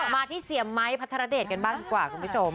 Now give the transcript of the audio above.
มาที่เสียไม้พัทรเดชกันบ้างดีกว่าคุณผู้ชม